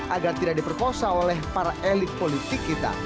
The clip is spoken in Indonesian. agar tidak diperkosa oleh para elit politik kita